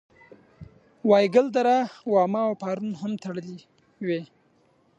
وایګل دره واما او پارون هم تړلې وې.